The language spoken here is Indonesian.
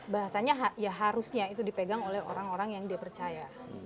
bahasanya ya harusnya itu dipegang oleh orang orang yang dia percaya